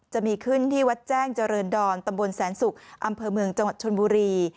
จะมีขึ้นที่วัดแจ้งเจริญดอนตำบลแสนศุกร์อำเภอเมืองจังหวัดชนบุรี